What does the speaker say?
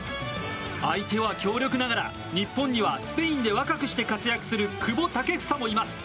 相手は強力ながら、日本にはスペインで若くして活躍する久保建英もいます！